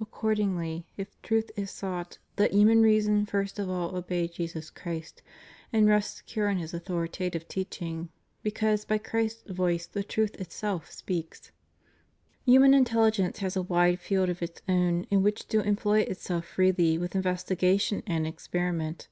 Accord ingly, if truth is sought, let human reason first of all obey Jesus Christ and rest secure in His authoritative teaching, because by Christ's voice the truth itself speaks. Human intelligence has a wide field of its own in which to employ itself freely with investigation and experiment.